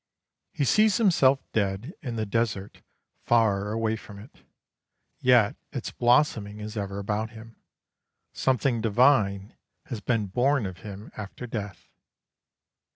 He sees himself dead in the desert far away from it. Yet its blossoming is ever about him. Something divine has been born of him after death.